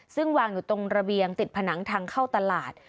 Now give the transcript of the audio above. ซึ่งวางอยู่ตรงระเบียงติดผนังทางเข้าตลาด